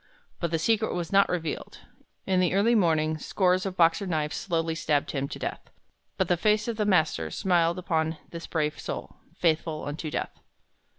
But the secret was not revealed. In the early morning scores of Boxer knives slowly stabbed him to death. But the face of the Master smiled upon this brave soul, "faithful unto death."